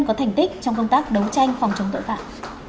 có thành tích trong công tác đấu tranh phòng chống tội phạm